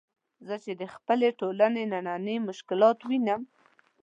زه چې د خپلې ټولنې نني مشکلات وینم.